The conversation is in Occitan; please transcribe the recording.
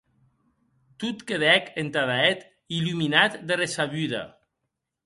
Tot quedèc entada eth illuminat de ressabuda.